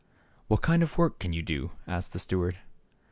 " What kind of work can you do ?" asked the steward.